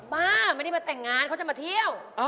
บ้าไม่ได้มาแต่งงานเขาจะมาเที่ยว